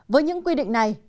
với những quy định này